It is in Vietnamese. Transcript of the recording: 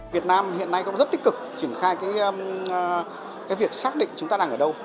việt nam hiện nay cũng rất tích cực triển khai việc xác định chúng ta đang ở đâu